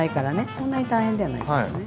そんなに大変ではないですよね。